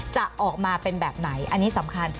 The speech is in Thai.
จะออกมาเป็นแบบไหนอันนี้สำคัญ